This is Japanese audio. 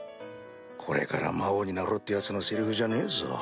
これから魔王になろうってヤツのセリフじゃねえぞ。